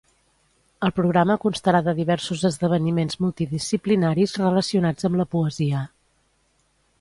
El programa constarà de diversos esdeveniments multidisciplinaris relacionats amb la poesia.